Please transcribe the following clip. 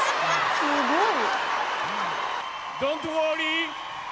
すごい。